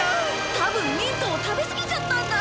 たぶんミントを食べすぎちゃったんだ！